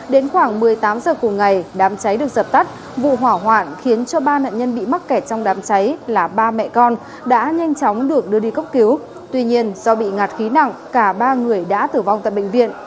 đến khoảng một mươi tám h cùng ngày đám cháy được dập tắt vụ hỏa hoạn khiến cho ba nạn nhân bị mắc kẹt trong đám cháy là ba mẹ con đã nhanh chóng được đưa đi cấp cứu tuy nhiên do bị ngạt khí nặng cả ba người đã tử vong tại bệnh viện